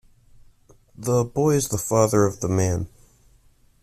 The boy is the father of the man.